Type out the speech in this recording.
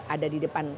ada di depan